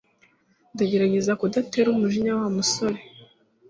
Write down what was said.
Ndagerageza kudatera umujinya Wa musore